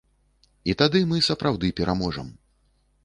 І тады мы сапраўды пераможам.